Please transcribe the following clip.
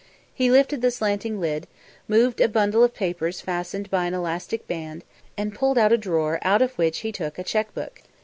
He lifted the slanting lid, moved a bundle of papers fastened by an elastic band, and pulled out a drawer out of which be took a cheque book.